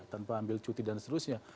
tanpa ambil cuti dan seterusnya